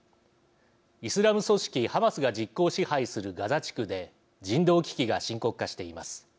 イスラム組織ハマスが実効支配するガザ地区で人道危機が深刻化しています。